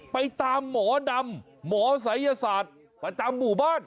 ไปตามหมอดำหมอศัยศาสตร์ประจำหมู่บ้าน